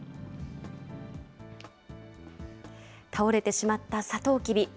倒れてしまったサトウキビ。